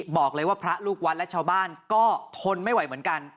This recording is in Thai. บอกเลยว่าพระลูกวัดและชาวบ้านก็ทนไม่ไหวเหมือนกัน